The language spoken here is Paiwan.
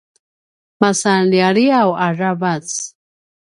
masan lialiaw aravac